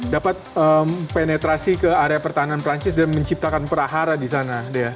dapat penetrasi ke area pertahanan perancis dan menciptakan perahara di sana